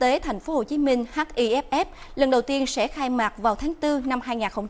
liên hoan phim quốc gia thành phố hồ chí minh hiff lần đầu tiên sẽ khai mạc vào tháng bốn năm hai nghìn hai mươi bốn